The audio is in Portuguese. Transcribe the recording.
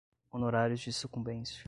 honorários de sucumbência